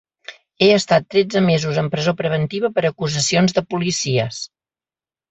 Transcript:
He estat tretze mesos en presó preventiva per acusacions de policies.